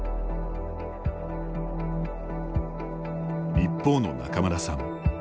一方の仲邑さん。